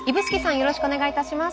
よろしくお願いします。